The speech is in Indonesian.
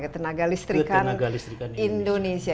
tenaga listrikan indonesia